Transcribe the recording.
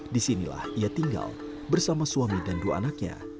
disinilah ia tinggal bersama suami dan dua anaknya